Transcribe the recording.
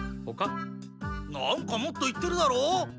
なんかもっと言ってるだろう？